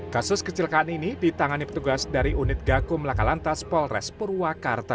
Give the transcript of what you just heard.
kasus kecelakaan ini ditangani petugas dari unit gakum lakalantas polres purwakarta